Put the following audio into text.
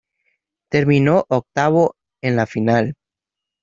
Terminó octavo en la final.